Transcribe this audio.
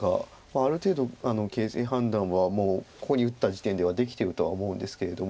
ある程度形勢判断はここに打った時点ではできてるとは思うんですけれども。